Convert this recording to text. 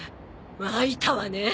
まいたわね。